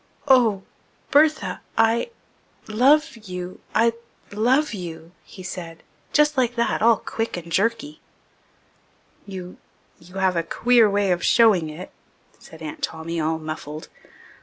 "Oh Bertha I love you I love you," he said, just like that, all quick and jerky. "You you have taken a queer way of showing it," said Aunt Tommy, all muffled.